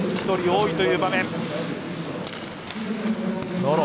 １人多いという場面。